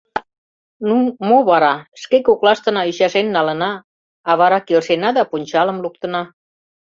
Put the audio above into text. — Ну, мо вара, шке коклаштына ӱчашен налына, а вара келшена да пунчалым луктына.